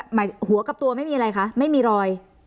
หมายหัวกับตัวไม่มีอะไรคะไม่มีรอย